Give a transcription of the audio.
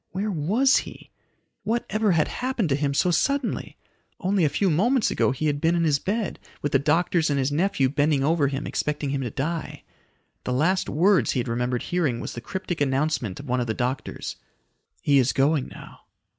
Where was he? What ever had happened to him so suddenly? Only a few moments ago he had been in his bed, with the doctors and his nephew bending over him, expecting him to die. The last words he had remembered hearing was the cryptic announcement of one of the doctors. "He is going now."